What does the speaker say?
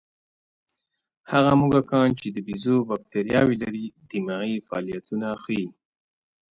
هغه موږکان چې د بیزو بکتریاوې لري، دماغي فعالیتونه ښيي.